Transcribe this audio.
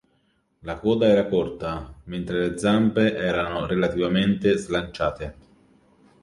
La coda era corta, mentre le zampe erano relativamente slanciate.